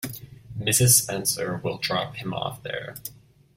Mrs. Spencer will drop him off there.